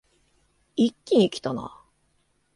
一気にきたな